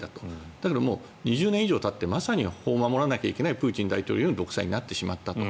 だけども２０年以上たってまさに法を守らないといけないプーチン大統領の独裁になってしまったと。